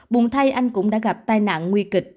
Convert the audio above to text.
buồn thay anh cũng đã gặp tai nạn nguy kịch